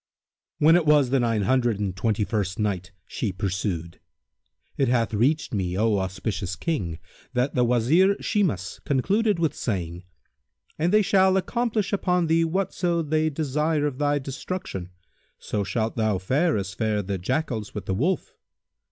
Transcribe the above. When it was the Nine Hundred and Twenty first Night, She pursued: It hath reached me, O auspicious King, that the Wazir Shimas concluded with saying, "And they shall accomplish upon thee whatso they desire of thy destruction; so shalt thou fare as fared the Jackals with the Wolf."